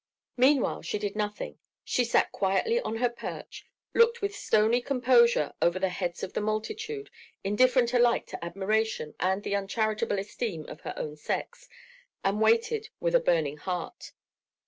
Meanwhile, she did nothing, she sat quietly on her perch, looked with stony composure over the heads of the multitude, indifferent alike to admiration and the uncharitable esteem of her own sex, and waited with a burning heart.